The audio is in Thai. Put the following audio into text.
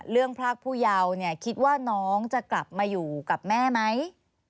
พรากผู้เยาว์เนี่ยคิดว่าน้องจะกลับมาอยู่กับแม่ไหม